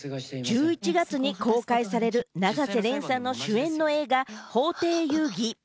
１１月に公開される永瀬廉さん主演の映画『法廷遊戯』。